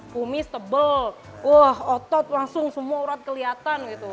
pumis tebel wah otot langsung semua urat kelihatan gitu